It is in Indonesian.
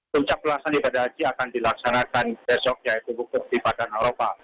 puncak pelaksanaan ibadah haji akan dilaksanakan besok yaitu buku buku di badan eropa